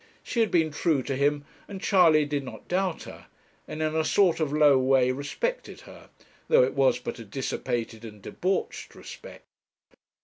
She had been true to him, and Charley did not doubt her, and in a sort of low way respected her; though it was but a dissipated and debauched respect.